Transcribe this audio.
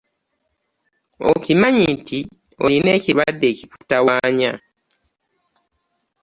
Okimanyi nti olina ekirwadde ekikutawanya.